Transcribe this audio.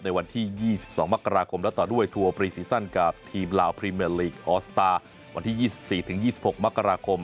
ในวันที่๒๒มกราคมและต่อด้วยทัวร์ปรีซีซั่นกับทีมลาวพรีเมอร์ลีกออสตาร์วันที่๒๔๒๖มกราคม